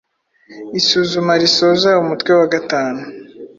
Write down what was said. Isuzuma risoza umutwe wa gatanu